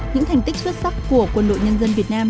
những thành tích xuất sắc của quân đội nhân dân việt nam